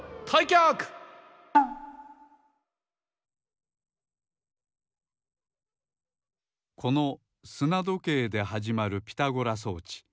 きゃくこのすなどけいではじまるピタゴラ装置